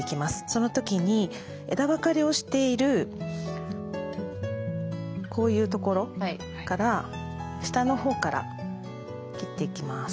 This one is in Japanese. その時に枝分かれをしているこういうところから下のほうから切っていきます。